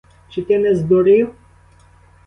Чи ти не здурів?